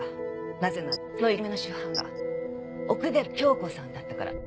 なぜならそのいじめの主犯が奥寺京子さんだったから。